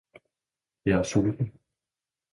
Jeg er sulten